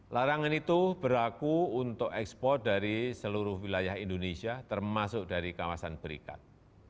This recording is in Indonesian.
larangan itu berlaku untuk ekspor dari seluruh wilayah indonesia termasuk dari kawasan berikat